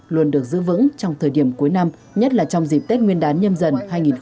luôn được giữ vững trong thời điểm cuối năm nhất là trong dịp tết nguyên đán nhâm dần hai nghìn hai mươi bốn